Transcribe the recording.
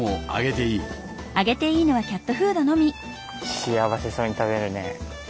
幸せそうに食べるね。